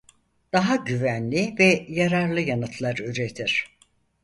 Daha güvenli ve yararlı yanıtlar üretir.